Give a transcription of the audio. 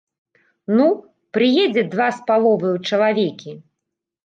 Ну, прыедзе два з паловаю чалавекі.